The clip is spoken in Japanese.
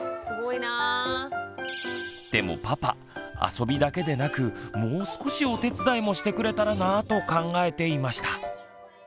でもパパあそびだけでなくもう少しお手伝いもしてくれたらなぁと考えていました。